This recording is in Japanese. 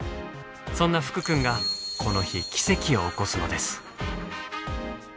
そんな福くんがこの日奇跡を起こすのです。